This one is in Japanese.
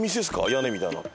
屋根みたいなの。